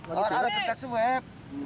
orang orang dikejep suweb